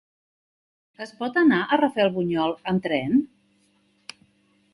Es pot anar a Rafelbunyol amb tren?